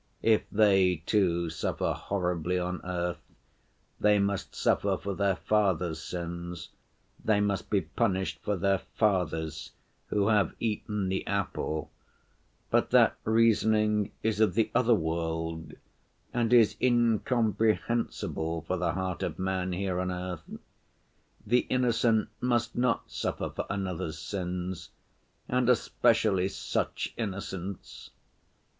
If they, too, suffer horribly on earth, they must suffer for their fathers' sins, they must be punished for their fathers, who have eaten the apple; but that reasoning is of the other world and is incomprehensible for the heart of man here on earth. The innocent must not suffer for another's sins, and especially such innocents!